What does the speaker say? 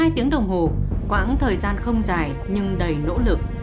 một mươi hai tiếng đồng hồ quãng thời gian không dài nhưng đầy nỗ lực